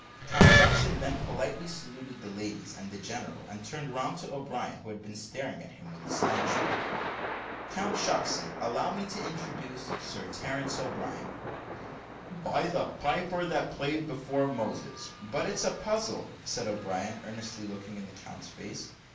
Count Shucksen then politely saluted the ladies and the general, and turned round to O'Brien, who had been staring at him with astonishment. "Count Shucksen, allow me to introduce Sir Terence O'Brien." "By the piper that played before Moses, but it's a puzzle," said O'Brien, earnestly looking in the count's face.